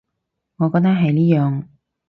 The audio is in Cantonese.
我覺得係呢樣